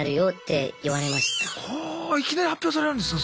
いきなり発表されるんですか。